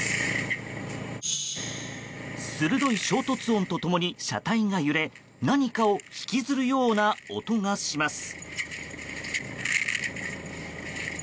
鋭い衝突音と共に車体が揺れ何かを引きずるような音がします。